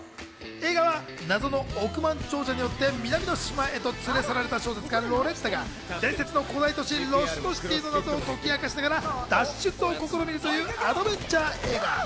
映画は謎の億万長者によって南の島へと連れ去られた小説家・ロレッタが伝説の古代都市ロストシティの謎を解き明かしながら脱出を試みるというアドベンチャー映画。